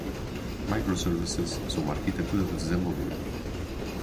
Microservices são uma arquitetura de desenvolvimento.